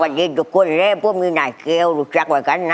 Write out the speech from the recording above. วันนี้ทุกคนเลยพอมีหน้าเกี๊ยวได้รู้จักต่อกันนะ